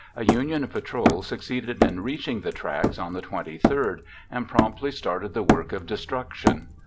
A Union patrol succeeded in reaching the tracks on the 23d and promptly started the work of destruction.